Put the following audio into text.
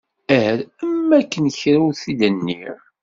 Err am akken kra ur t-id-nniɣ.